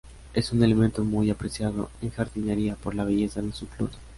Es un elemento muy apreciado en jardinería por la belleza de sus flores.